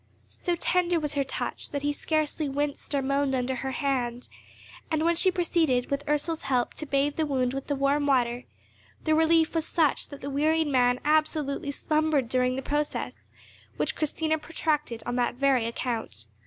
So tender was her touch, that he scarcely winced or moaned under her hand; and, when she proceeded, with Ursel's help, to bathe the wound with the warm water, the relief was such that the wearied man absolutely slumbered during the process, which Christina protracted on that very account.